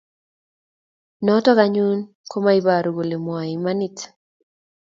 notok anyun ko maibaru kole mwae imanit